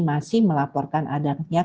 masih melaporkan adanya